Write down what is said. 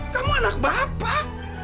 kamu anak bapak